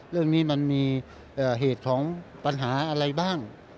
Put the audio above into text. เรื่องนี้มันมีเหตุของปัญหาอะไรบ้าง